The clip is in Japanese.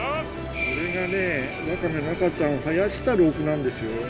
これがねワカメの赤ちゃんを生やしたロープなんですよ。